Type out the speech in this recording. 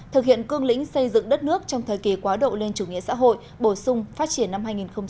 thực hiện cương lĩnh xây dựng đất nước trong thời kỳ quá độ lên chủ nghĩa xã hội bổ sung phát triển năm hai nghìn một mươi một